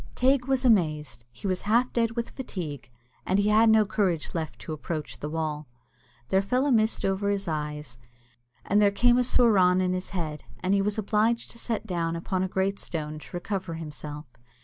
Teig was amazed; he was half dead with fatigue, and he had no courage left to approach the wall. There fell a mist over his eyes, and there came a soorawn in his head, and he was obliged to sit down upon a great stone to recover himself.